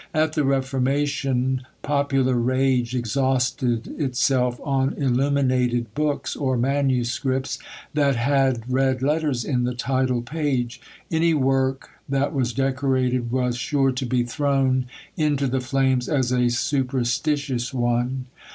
At the Reformation popular rage exhausted itself on illuminated books, or MSS. that had red letters in the title page: any work that was decorated was sure to be thrown into the flames as a superstitious one.